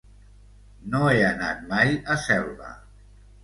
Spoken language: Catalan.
No he anat mai a Selva.